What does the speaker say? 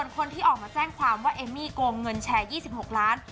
คนที่ออกมาแจ้งความว่าเอมมี่โกงเงินแชร์๒๖ล้าน